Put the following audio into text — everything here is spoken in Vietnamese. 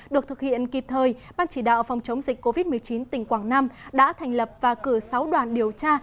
được thực hiện kịp thời ban chỉ đạo phòng chống dịch covid một mươi chín tỉnh quảng nam đã thành lập và cử sáu đoàn điều tra